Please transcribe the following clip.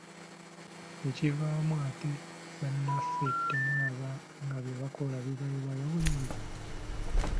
Ekivaamu ate bannaffe temubalaba nga bye bakola bibayiwayo buyiyi.